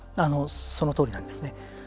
そのとおりなんですね。